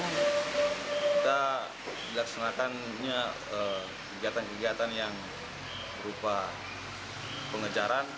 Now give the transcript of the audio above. kita dilaksanakan kegiatan kegiatan yang berupa pengejaran